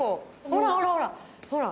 ほらほらほら！